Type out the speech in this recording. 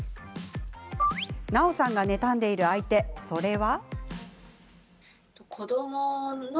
なおさんが妬んでいる相手それは。